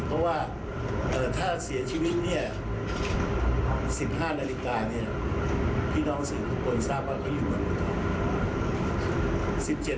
เพราะว่าถ้าเสียชีวิตนี่๑๕นาฬิกาพี่น้องซูอาเขาเปิดทราบว่าเขาอยู่บนบนตอน